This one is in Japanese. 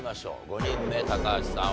５人目高橋さん